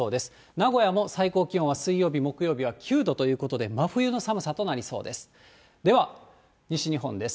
名古屋も最高気温は水曜日、木曜日は９度ということで、真冬の寒さとなりそうです。